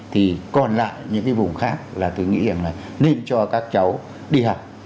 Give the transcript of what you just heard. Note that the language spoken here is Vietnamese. thì còn lại những cái vùng khác là tôi nghĩ rằng là nên cho các cháu đi học